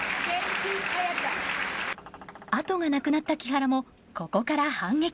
後がなくなった木原もここから反撃。